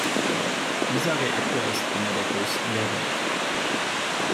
Dieser Reaktor ist einer der größten der Welt.